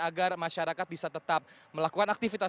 agar masyarakat bisa tetap melakukan aktivitas